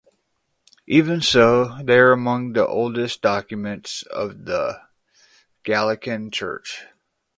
Even so, they are among the oldest documents of the Gallican Church.